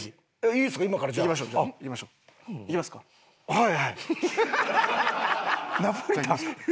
はい。